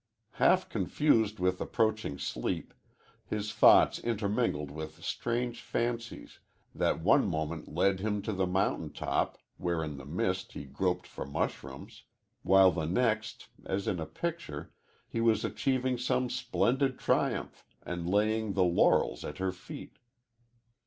Half confused with approaching sleep, his thoughts intermingled with strange fancies, that one moment led him to the mountain top where in the mist he groped for mushrooms, while the next, as in a picture, he was achieving some splendid triumph and laying the laurels at her feet.